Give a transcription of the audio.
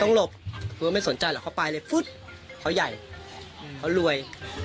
หลบคือว่าไม่สนใจหรอกเขาไปเลยฟึ๊ดเขาใหญ่เขารวย